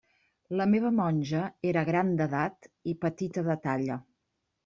La meva monja era gran d'edat i petita de talla.